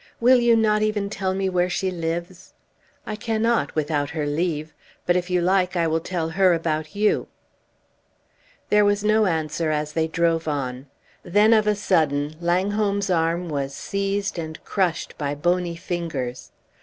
"Will you not even tell me where she lives?" "I cannot, without her leave; but if you like I will tell her about you." There was no answer as they drove on. Then of a sudden Langholm's arm was seized and crushed by bony fingers.